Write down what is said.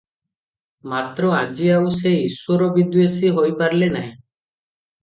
ମାତ୍ର ଆଜି ଆଉ ସେ ଈଶ୍ୱରବିଦ୍ୱେଷୀ ହୋଇପାରିଲେ ନାହିଁ ।